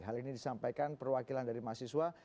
hal ini disampaikan perwakilan dari mahasiswa